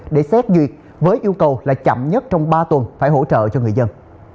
để xét duyệt với yêu cầu là chậm nhất trong ba tuần phải hỗ trợ cho người dân